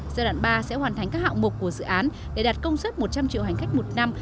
giai đoạn ba sẽ hoàn thành các hạng mục của dự án để đạt công suất một trăm linh triệu hành khách một năm